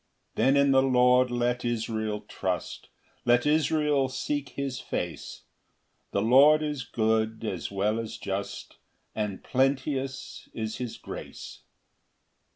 ] 7 [Then in the Lord let Israel trust, Let Israel seek his face; The Lord is good as well as just, And plenteous is his grace.